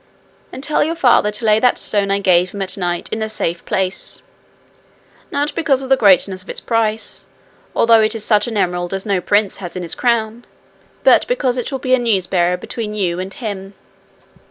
And tell your father to lay that stone I gave him at night in a safe place not because of the greatness of its price, although it is such an emerald as no prince has in his crown, but because it will be a news bearer between you and him.